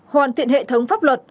hai hoàn thiện hệ thống pháp luật